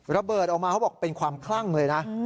ระเบิดออกมาเขาบอกเป็นความคลั่งเลยนะ